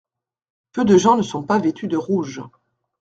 Peu de gens ne sont pas vêtus de rouge.